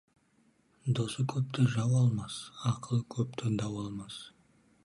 Досы көпті жау алмас, ақылы көпті дау алмас.